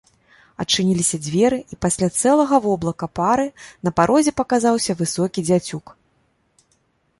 Адчыніліся дзверы, і пасля цэлага воблака пары на парозе паказаўся высокі дзяцюк.